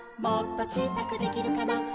「もっとちいさくできるかな」